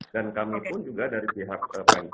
dan kami pun juga berpikir bahwa ini akan menjadi